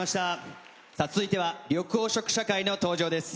続いては緑黄色社会が登場です。